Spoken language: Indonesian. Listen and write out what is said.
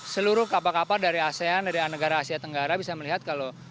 seluruh kapal kapal dari asean dari negara asia tenggara bisa melihat kalau